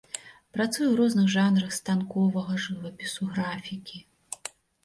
Працуе ў розных жанрах станковага жывапісу, графікі.